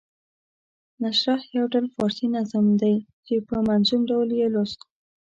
نشرح یو ډول فارسي نظم وو چې په منظوم ډول یې لوست.